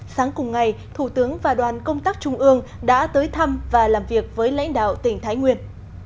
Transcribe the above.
sáng cùng ngày thủ tướng và đoàn công tác trung ương đã tới thăm và làm việc với lãnh đạo tỉnh thái nguyên